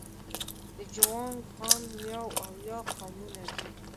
د جوانګ، هان، میاو او یاو قومونه دي.